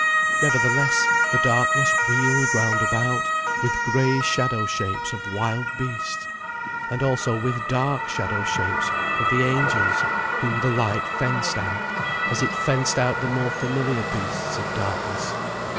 Nevertheless the darkness wheeled round about, with grey shadow shapes of wild beasts, and also with dark shadow shapes of the angels, whom the light fenced out, as it fenced out the more familiar beasts of darkness.